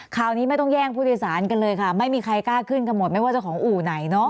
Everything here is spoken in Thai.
คราวนี้ไม่ต้องแย่งผู้โดยสารกันเลยค่ะไม่มีใครกล้าขึ้นกันหมดไม่ว่าจะของอู่ไหนเนาะ